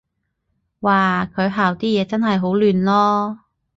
嘩，佢校啲嘢真係好亂囉